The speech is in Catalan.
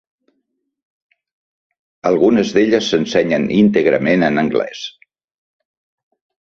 Algunes d'elles s'ensenyen íntegrament en anglès.